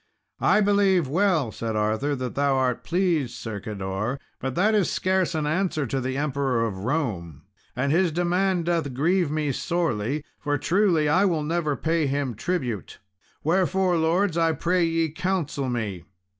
"I believe well," said Arthur, "that thou art pleased, Sir Cador; but that is scarce an answer to the Emperor of Rome, and his demand doth grieve me sorely, for truly I will never pay him tribute; wherefore, lords, I pray ye counsel me.